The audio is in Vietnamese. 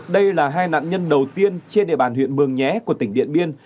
đây là hai nạn nhân đầu tiên trên địa bàn huyện mường nhé của tỉnh điện biên